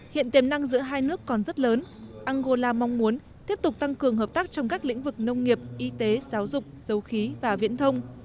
hiện tiềm năng giữa hai nước còn rất lớn angola mong muốn tiếp tục tăng cường hợp tác trong các lĩnh vực nông nghiệp y tế giáo dục dầu khí và viễn thông